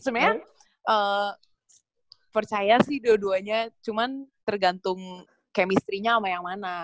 sebenarnya percaya sih dua duanya cuma tergantung chemistry nya sama yang mana